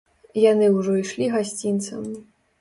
Яны ўжо ішлі гасцінцам.